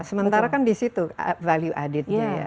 sementara kan di situ value addednya ya